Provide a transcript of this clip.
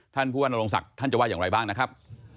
ท่านผู้ว่านโรงศักดิ์ท่านจะว่าอย่างไรบ้างนะครับ